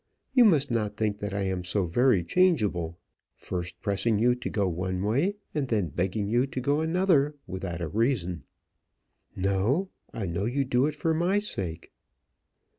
You must not think that I am so very changeable, first pressing you to go one way, and then begging you to go another, without a reason." "No; I know you do it for my sake."